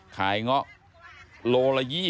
ขายเงาะโลละ๒๐